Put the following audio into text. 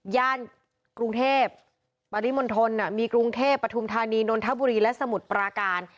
ย่านกรุงเทพบริมนธนมีกรุงเทพประธุมธนีย์นญฑบุรีและสมุดปราการ